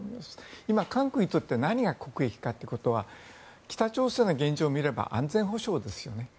今、韓国にとって何が国益かということは北朝鮮の現状を見れば安全保障ですよね。